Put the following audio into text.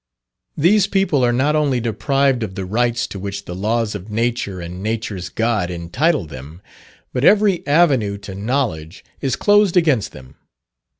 These people are not only deprived of the rights to which the laws of Nature and Nature's God entitle them, but every avenue to knowledge is closed against them.